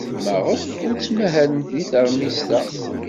Maɣef ay ttmahalent deg teṛmist-a?